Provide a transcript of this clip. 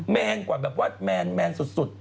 แนนกว่าแบบว่าแมนสุด